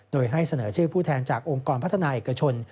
โดยให้เสนอชื่อผู้แทนจากองค์กรพัฒนาเอกชน